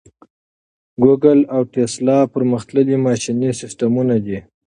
ګوګل او ټیسلا پرمختللي ماشیني سیسټمونه دي.